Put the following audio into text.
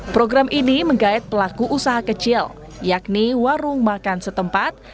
program ini menggait pelaku usaha kecil yakni warung makan setempat